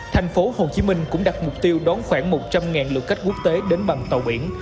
tp hcm cũng đặt mục tiêu đón khỏe